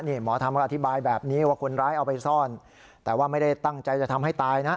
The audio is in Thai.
หมอธรรมก็อธิบายแบบนี้ว่าคนร้ายเอาไปซ่อนแต่ว่าไม่ได้ตั้งใจจะทำให้ตายนะ